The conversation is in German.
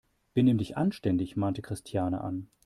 Benimm dich anständig!, mahnte Christiane an.